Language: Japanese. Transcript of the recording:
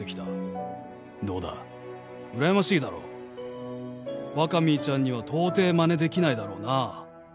「どうだ羨ましいだろう」「若宮ちゃんには到底真似できないだろうな」